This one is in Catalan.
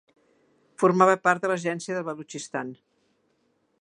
Formava part de l'Agència del Balutxistan.